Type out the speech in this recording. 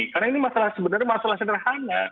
karena ini masalah sebenarnya masalah sejarah